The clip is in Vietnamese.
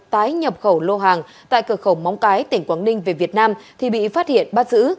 tái nhập khẩu lô hàng tại cửa khẩu móng cái tỉnh quảng ninh về việt nam thì bị phát hiện bắt giữ